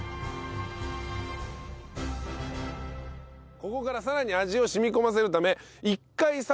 ここからさらに味を染み込ませるため。